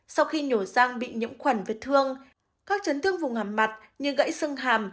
sau khi nhổ răng bị nhiễm khoản vết thương các trấn thương vùng hàm mặt như gãy xương hàm